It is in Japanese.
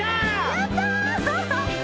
やった！